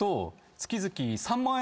月々３万円？